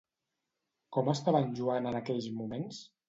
Com estava en Joan en aquells moments?